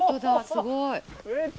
すごい。